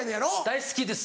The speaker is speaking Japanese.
大好きです。